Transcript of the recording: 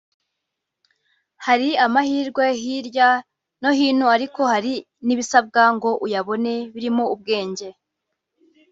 Hari amahirwe hirya no hino ariko hari n’ibisabwa ngo uyabone birimo ubwenge